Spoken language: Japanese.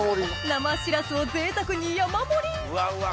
生しらすをぜいたくに山盛りうわ